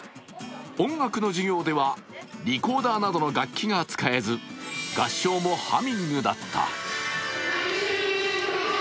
音楽の授業では、リコーダーなどの楽器が使えず合唱もハミングだった。